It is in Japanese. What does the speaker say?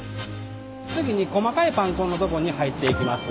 次に細かいパン粉のとこに入っていきます